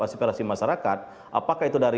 aspirasi masyarakat apakah itu dari